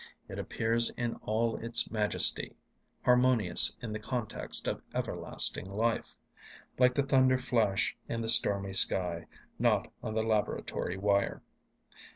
It appears in all its majesty, harmonious in the context of everlasting life; like the thunder flash in the stormy sky, not on the laboratory wire.